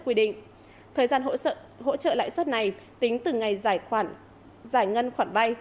quy định thời gian hỗ trợ lãi suất này tính từ ngày giải ngân khoản vay